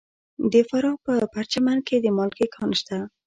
د فراه په پرچمن کې د مالګې کان شته.